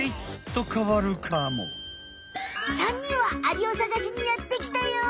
３にんはアリをさがしにやってきたよ！